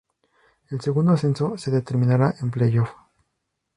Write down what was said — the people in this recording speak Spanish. El segundo ascenso se determinará en playoff.